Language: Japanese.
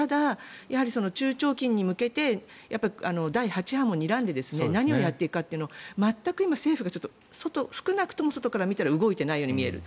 やはり中長期に向けて第８波もにらんで何をやっていくか全く今、少なくとも外から見たら政府が動いていないように見える。